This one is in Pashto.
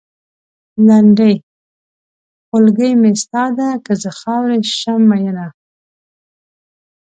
لنډۍ؛ خولګۍ مې ستا ده؛ که زه خاورې شم مينه